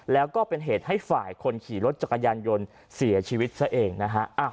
แล้วก็เป็นเหตุให้ฝ่ายคนขี่รถจักรยานยนต์เสียชีวิตซะเองนะฮะ